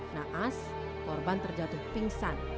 naas korban terjatuh pingsan